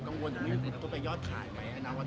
มันเป็นปัญหาจัดการอะไรครับ